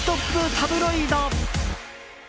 タブロイド。